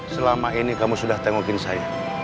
selama ini kamu sudah tengokin saya